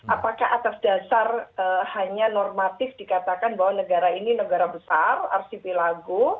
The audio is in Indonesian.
apakah atas dasar hanya normatif dikatakan bahwa negara ini negara besar arsipi lagu